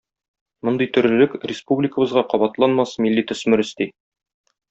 Мондый төрлелек республикабызга кабатланмас милли төсмер өсти.